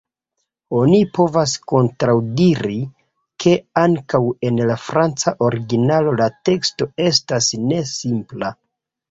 Oni povas kontraŭdiri, ke ankaŭ en la franca originalo la teksto estas ne simpla.